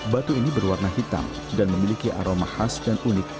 batu ini berwarna hitam dan memiliki aroma khas dan unik